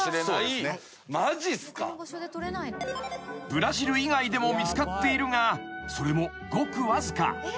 ［ブラジル以外でも見つかっているがそれもごくわずか］